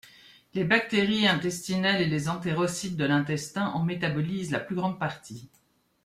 Les bactéries intestinales et les entérocytes de l'intestin en métabolisent la plus grande partie.